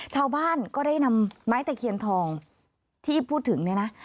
ชาวบ้านก็ได้นำไม้ตะเคียนทองที่พูดถึงเนี่ยนะ